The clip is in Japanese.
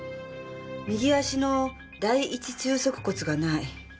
右足の第一中足骨がない。